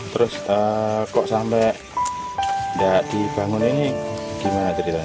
terus kok sampai nggak dibangun ini gimana terjadi mbak